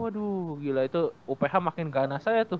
waduh gila itu oph makin ganas aja tuh